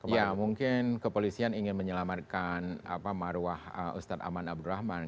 ya mungkin kepolisian ingin menyelamatkan marwah ustadz aman abdurrahman